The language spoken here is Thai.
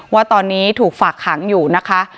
ว่าตอนนี้ถูกฝากขังอยู่นะคะ